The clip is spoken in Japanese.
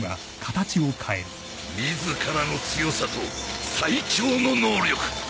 自らの強さと最強の能力。